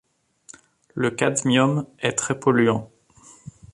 Le cadmium est très polluant.